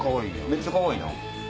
めっちゃかわいいな。